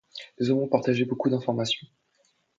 Nous avons partagé beaucoup d'informations.